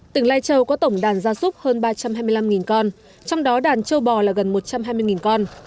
tỉnh lai châu có tổng đàn gia súc hơn ba trăm hai mươi năm con trong đó đàn châu bò là gần một trăm hai mươi con